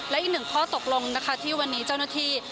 และอีกหนึ่งข้อตกลงนะคะที่วันนี้เจ้าหน้าที่